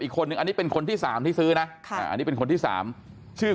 อีกคนนึงอันนี้เป็นคนที่๓ที่ซื้อนะอันนี้เป็นคนที่สามชื่อ